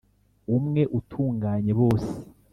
umwe utunganye bose